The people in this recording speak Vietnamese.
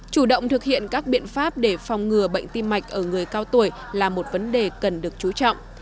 chủ động thực hiện các biện pháp để phòng ngừa bệnh tim mạch ở người cao tuổi là một vấn đề cần được chú trọng